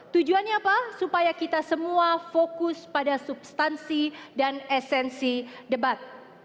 tujuannya apa supaya kita semua fokus pada substansi dan esensi debat